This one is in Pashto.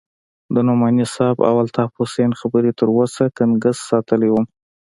د نعماني صاحب او الطاف حسين خبرې تر اوسه گنگس ساتلى وم.